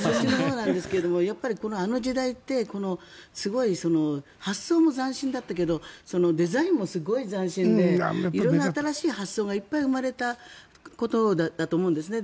やっぱりあの時代ってすごい発想も斬新だったけどデザインもすごい斬新で色んな新しい発想がいっぱい生まれたことだと思うんですね。